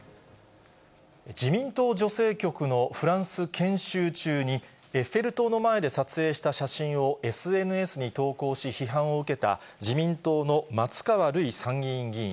自民党女性局のフランス研修中に、エッフェル塔の前で撮影した写真をＳＮＳに投稿し、批判を受けた自民党の松川るい参議院議員。